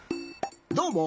どうも。